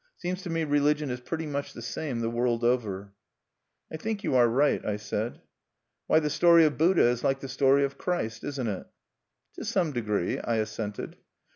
Seems to me religion is pretty much the same the world over." "I think you are right," I said. "Why, the story of Buddha is like the story of Christ, isn't it?" "To some degree," I assented.